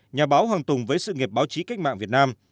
nhà báo hoàng tùng với sự nghiệp báo chí cách mạng việt nam